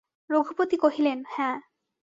রঘুপতি কহিলেন, হাঁ।